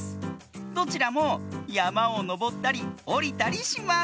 どちらもやまをのぼったりおりたりします。